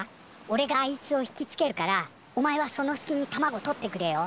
おれがあいつを引きつけるからおまえはそのすきに卵取ってくれよ。